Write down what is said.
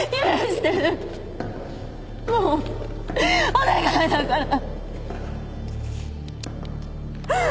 もうお願いだから。